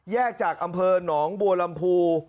จากอำเภอหนองบัวลำพู